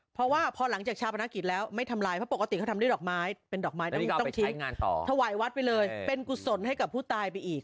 เพราะว่าพอหลังจากชาปนกิจแล้วไม่ทำลายเพราะปกติเขาทำด้วยดอกไม้เป็นดอกไม้ต้องทิ้งถวายวัดไปเลยเป็นกุศลให้กับผู้ตายไปอีก